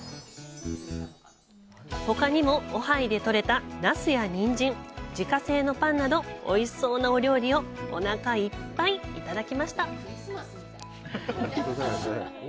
ほかにもオハイで採れたナスやニンジン自家製のパンなどおいしそうなお料理をおなかいっぱいいただきました。